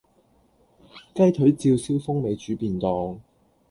雞腿照燒風味煮便當